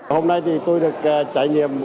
hôm nay thì tôi được trải nghiệm